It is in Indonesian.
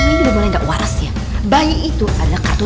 ini boleh nggak waras ya baik itu ada kartu